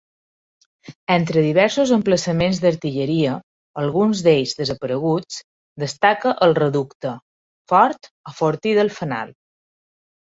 Entre diversos emplaçaments d'artilleria, alguns d'ells desapareguts, destaca el Reducte, Fort o Fortí del Fanal.